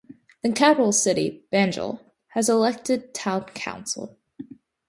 The capital city, Banjul, has an elected town council.